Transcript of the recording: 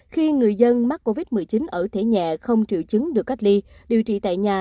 khi người dân mắc covid một mươi chín ở thể nhẹ không triệu chứng được cách ly điều trị tại nhà